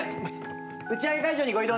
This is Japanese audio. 打ち上げ会場にご移動